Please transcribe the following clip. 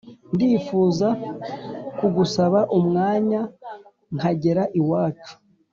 ndifuza kugusaba umwanya nkagera iwacu